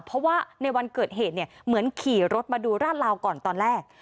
เพราะว่าในวันเกิดเหตุเนี่ยเหมือนขี่รถมาดูราดลาวก่อนตอนแรก